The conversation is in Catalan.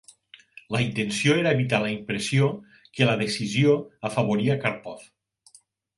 La intenció era evitar la impressió que la decisió afavoria Karpov.